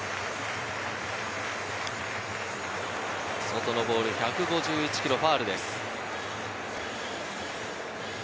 外のボール、１５１キロ、ファウルです。